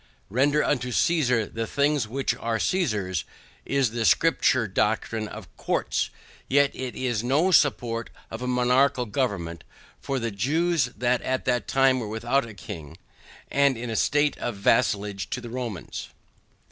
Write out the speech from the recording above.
"RENDER UNTO CAESAR THE THINGS WHICH ARE CAESAR'S" is the scripture doctrine of courts, yet it is no support of monarchical government, for the Jews at that time were without a king, and in a state of vassalage to the Romans.